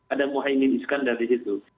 ada mohaimin iskandar di situ